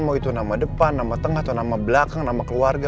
mau itu nama depan nama tengah atau nama belakang nama keluarga